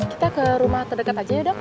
kita ke rumah terdekat aja ya dok